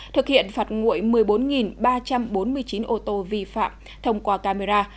thực hiện phạt nguội một mươi bốn ba trăm bốn mươi chín ô tô vi phạm thông qua camera